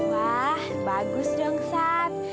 wah bagus dong sat